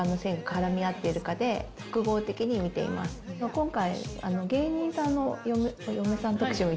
今回。